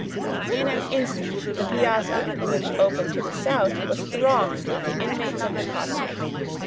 In an instant, the piazza, which opened to the south, was thronged with the inmates of the cottage.